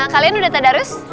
kalian udah tadarus